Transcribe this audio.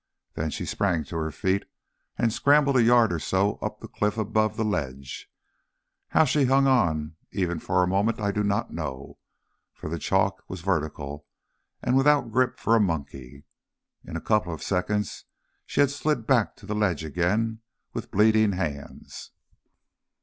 Then she sprang to her feet and scrambled a yard or so up the cliff above the ledge. How she hung on even for a moment I do not know, for the chalk was vertical and without grip for a monkey. In a couple of seconds she had slid back to the ledge again with bleeding hands.